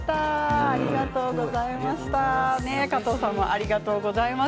ありがとうございます。